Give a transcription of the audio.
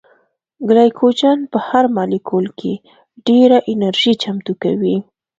ګلایکوجن په هر مالیکول کې ډېره انرژي چمتو کوي